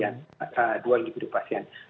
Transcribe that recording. yang pertama adalah pasien yang berumur